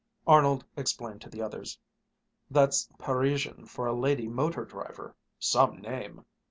Arnold explained to the others: "That's Parisian for a lady motor driver; some name!"